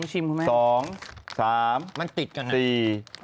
จุบไปนี้๕๑๐วินาที